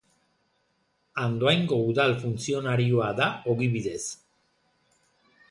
Andoaingo udal funtzionarioa da ogibidez.